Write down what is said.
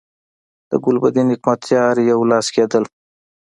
د ګلبدین حکمتیار یو لاس کېدل.